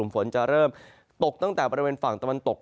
ฝนจะเริ่มตกตั้งแต่บริเวณฝั่งตะวันตก